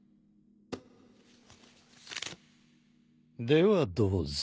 ではどうぞ。